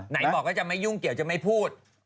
ไหนบอกว่าจะไม่ยุ่งเกี่ยวจะไม่พูด